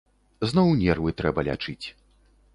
Зноў нервы трэба лячыць.